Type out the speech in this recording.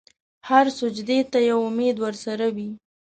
هر سجدې ته یو امید ورسره وي.